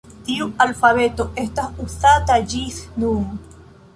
Tiu alfabeto estas uzata ĝis nun.